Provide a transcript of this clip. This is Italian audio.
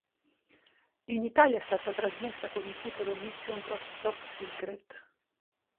In Italia è stata trasmessa con il titolo "Mission Top Secret".